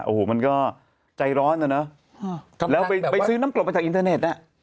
โอ้โหมันก็ใจร้อนนะเนอะแล้วไปซื้อน้ำกรดมาจากอินเทอร์เน็ตอ่ะ